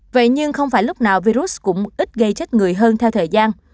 vậy nhưng không phải lúc nào virus cũng ít gây chết người hơn theo thời gian